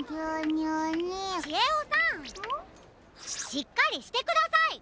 しっかりしてください！